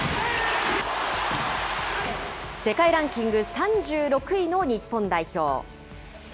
世界ランキング３６位の日本代表。